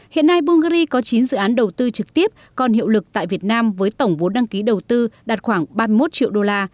hiện nay bungary có chín dự án đầu tư trực tiếp còn hiệu lực tại việt nam với tổng vốn đăng ký đầu tư đạt khoảng ba mươi một triệu đô la